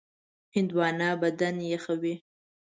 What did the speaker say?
هندوانه بدن یخوي.